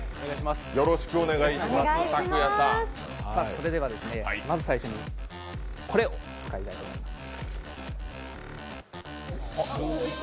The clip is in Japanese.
それでは、まず最初にこれを使いたいと思います。